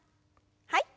はい。